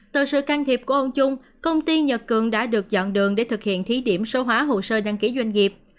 từ sự can thiệp của ông chung công ty nhật cường đã được dọn đường để thực hiện thí điểm số hóa hồ sơ đăng ký doanh nghiệp